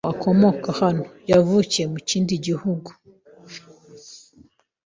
Ntabwo akomoka hano. Yavukiye mu kindi gihugu.